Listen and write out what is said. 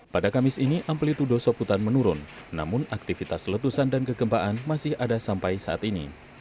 pada kamis ini amplitudo soputan menurun namun aktivitas letusan dan kegempaan masih ada sampai saat ini